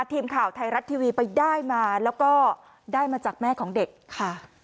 ทีมข่าวไทยรัฐทีวีไปได้มาแล้วก็ได้มาจากแม่ของเด็กค่ะ